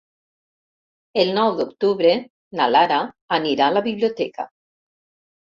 El nou d'octubre na Lara anirà a la biblioteca.